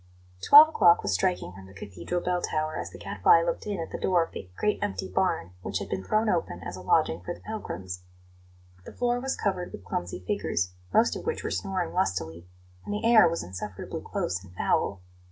Twelve o'clock was striking from the Cathedral bell tower as the Gadfly looked in at the door of the great empty barn which had been thrown open as a lodging for the pilgrims. The floor was covered with clumsy figures, most of which were snoring lustily, and the air was insufferably close and foul.